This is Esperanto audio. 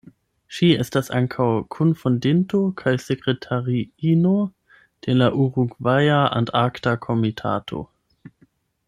Ŝi estas ankaŭ kun-fondinto kaj sekretariino de la Urugvaja Antarkta Komitato.